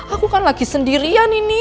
aku kan lagi sendirian ini